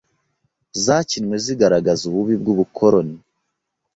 zakinwe zigaragaza ububi bw’ubukoloni,